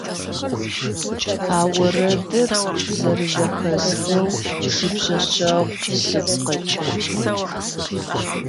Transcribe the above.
А орэдыр зэрэзэхэсхэу сипшъэшъэгъу сыгу къэкӀыгъ.